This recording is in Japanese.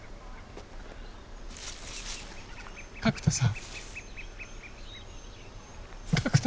角田さん。